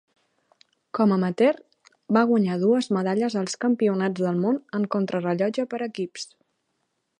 Com amateur, va guanyar dues medalles als Campionats del Món en Contrarellotge per equips.